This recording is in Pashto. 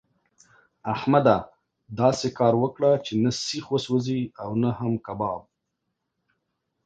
احمده! داسې کار وکړه چې نه سيخ وسوځي او نه هم کباب.